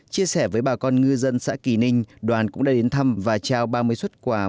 chia sẻ với bà con ngư dân xã kỳ ninh đoàn cũng đã đến thăm và trao ba mươi xuất quà